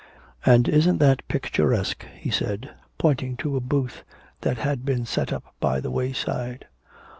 And isn't that picturesque,' he said, pointing to a booth that had been set up by the wayside.